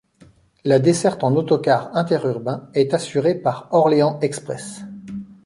La desserte en autocar interurbain est assuré par Orléans Express.